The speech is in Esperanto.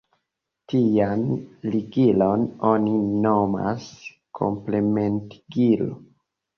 Tian ligilon oni nomas Komplementigilo.